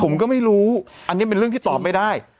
ผมก็ไม่รู้อันนี้เป็นเรื่องที่ตอบไม่ได้